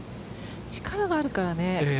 力があるからね。